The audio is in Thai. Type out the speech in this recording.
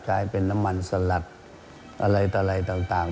ใช้เป็นน้ำมันสลัดอะไรต่าง